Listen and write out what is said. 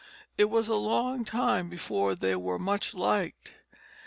It was a long time before they were much liked.